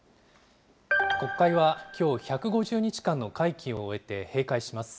国会はきょう、１５０日間の会期を終えて閉会します。